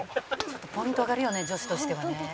「ポイント上がるよね女子としてはね」